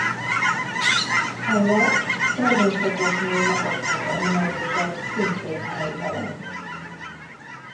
A nyak természetesnél magasabbra emelése szintén helytelen.